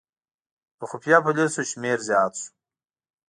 د خفیه پولیسو شمېر زیات شو.